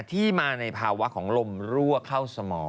ที่มาในภาวะของลมรั่วเข้าสมอง